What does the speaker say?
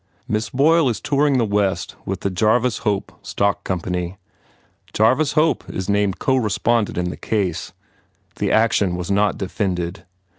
Miss Boyle is touring the West with the Jarvis Hope Stock Company. Jar vis Hope is named as co respondent in the case. The action was not defended.